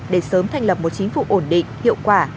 để sớm thành lập một chính phủ ổn định hiệu quả